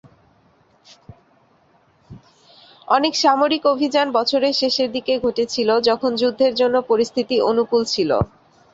অনেক সামরিক অভিযান বছরের শেষের দিকে ঘটেছিল, যখন যুদ্ধের জন্য পরিস্থিতি অনুকূল ছিল।